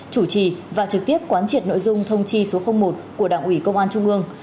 chủ trì và trực tiếp quán triệt nội dung thông chi số một của đảng ủy công an trung ương